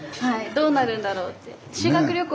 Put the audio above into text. どうなるんだろうって。